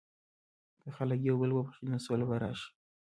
که خلک یو بل وبخښي، نو سوله به راشي.